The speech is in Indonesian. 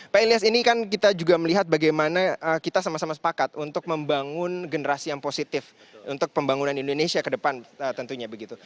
pak ilyas ini kan kita juga melihat bagaimana kita sama sama sepakat untuk membangun generasi yang positif untuk pembangunan indonesia ke depan tentunya begitu